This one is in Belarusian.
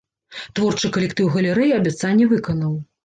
Творчы калектыў галерэі абяцанне выканаў.